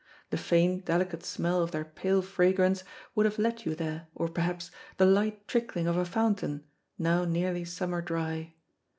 The faint, delicate smell of their pale fragrance would have led you there, or, perhaps, the light trickling of a fountain, now nearly summer dry.